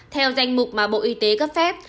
theo danh mục mà bộ y tế cấp phép